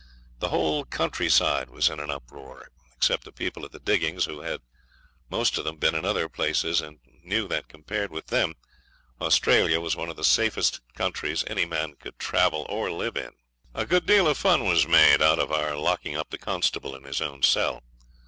The whole countryside was in an uproar, except the people at the diggings, who had most of them been in other places, and knew that, compared with them, Australia was one of the safest countries any man could live or travel in. A good deal of fun was made out of our locking up the constable in his own cell.